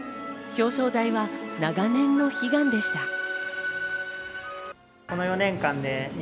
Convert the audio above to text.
表彰台は長年の悲願でした。